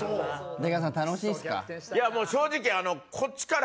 出川さん楽しいですか？